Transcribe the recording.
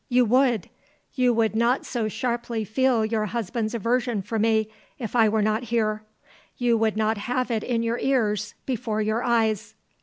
"You would. You would not so sharply feel your husband's aversion for me if I were not here. You would not have it in your ears; before your eyes."